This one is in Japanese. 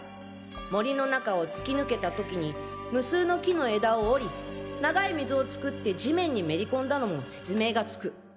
森の中を突き抜けた時に無数の木の枝を折り長い溝を作って地面にめり込んだのも説明がつく。